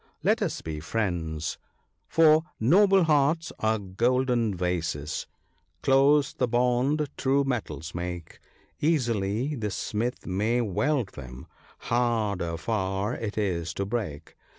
Let us be friends ! for Noble hearts are golden vases — close the bond true metals make ; Easily the smith may weld them, harder far it is to break.